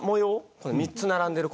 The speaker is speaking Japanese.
この３つ並んでる